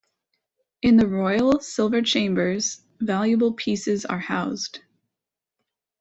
In the Royal Silver Chambers, valuable pieces are housed.